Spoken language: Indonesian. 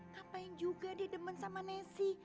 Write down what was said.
ngapain juga dia demen sama nasi